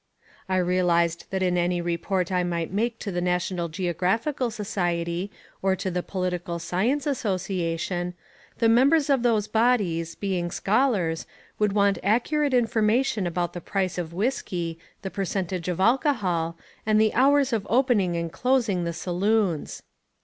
I realised that in any report I might make to the National Geographical Society or to the Political Science Association, the members of these bodies, being scholars, would want accurate information about the price of whiskey, the percentage of alcohol, and the hours of opening and closing the saloons.